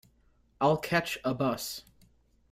I'll catch a bus.